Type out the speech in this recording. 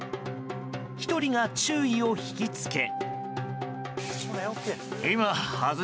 １人が注意をひきつけ。